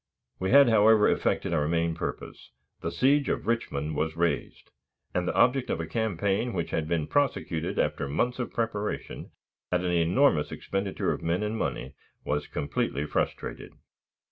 We had, however, effected our main purpose. The siege of Richmond was raised, and the object of a campaign which had been prosecuted after months of preparation, at an enormous expenditure of men and money, was completely frustrated.